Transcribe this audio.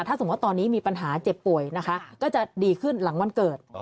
ถ้าสมมุติตอนนี้มีปัญหาเจ็บป่วยนะคะก็จะดีขึ้นหลังวันเกิด